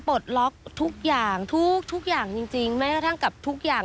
ปลดล็อกทุกอย่างทุกทุกอย่างจริงจริงแม้กระทั่งกับทุกอย่าง